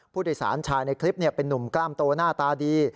ผู้โดยสารชายในคลิปเป็นนุ่มกล้ามโตหน้าตาดี